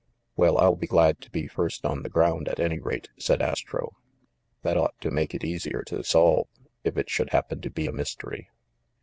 "Well, I'll be glad to be first on the ground, at any rate," said Astro. "That ought to make it easier to solve, if it should happen to be a mystery."